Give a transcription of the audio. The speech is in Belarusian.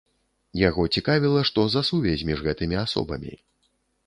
Яго цікавіла, што за сувязь між гэтымі асобамі.